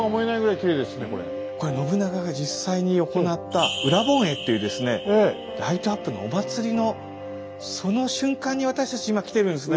これ信長が実際に行った「盂蘭盆会」っていうですねライトアップのお祭りのその瞬間に私たち今来てるんですね。